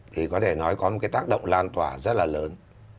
thì có thể nói có một cái tác động lan tỏa rất là lớn